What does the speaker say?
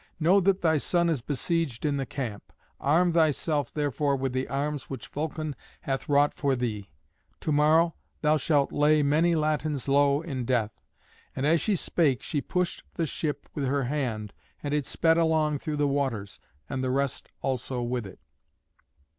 Know that thy son is besieged in the camp. Arm thyself therefore with the arms which Vulcan hath wrought for thee. To morrow thou shalt lay many Latins low in death." And as she spake she pushed the ship with her hand, and it sped along through the waters and the rest also with it.